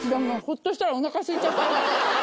ほっとしたらお腹すいちゃった。